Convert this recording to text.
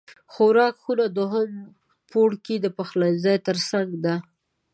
خوراک خونه دوهم پوړ کې د پخلنځی تر څنګ ده